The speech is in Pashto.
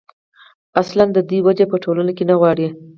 اصـلا د دوي وجـود پـه ټـولـنـه کـې نـه غـواړي.